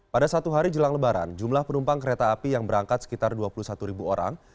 pada satu hari jelang lebaran jumlah penumpang kereta api yang berangkat sekitar dua puluh satu ribu orang